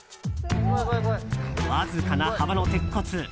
わずかな幅の鉄骨。